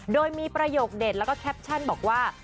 โดยมีประโยคเด็ดแล้วก็แคปชั่นบอกว่า